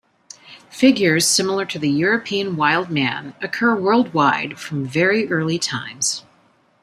Figures similar to the European wild man occur worldwide from very early times.